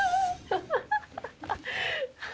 ハハハハ！